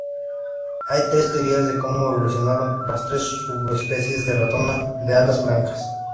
Hay tres teorías de como evolucionaron las tres subespecies de ratona de alas blancas.